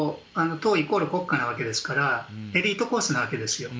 党イコール国家のわけですからエリートコースのわけです。